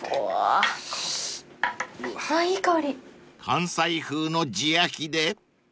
［関西風の地焼きで］